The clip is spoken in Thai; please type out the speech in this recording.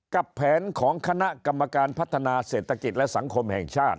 กับแผนของคณะกรรมการพัฒนาเศรษฐกิจและสังคมแห่งชาติ